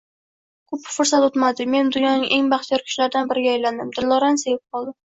Koʻp fursat oʻtmadi, men dunyoning eng baxtiyor kishilaridan biriga aylandim – Dildorani sevib qoldim.